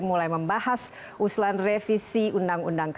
mulai membahas usulan revisi undang undang kpk